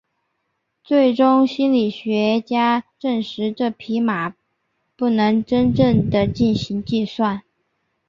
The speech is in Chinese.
最终心理学家证实这匹马不能真正地进行计算。